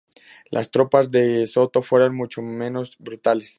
Las tropas de De Soto fueron mucho menos brutales.